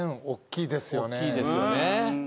おっきいですよね。